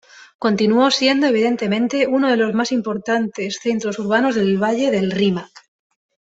Continuó siendo, evidentemente, uno de los más importantes centros urbanos del valle del Rímac.